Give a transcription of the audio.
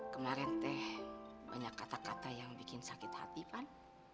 kemarin teh banyak kata kata yang bikin sakit hati van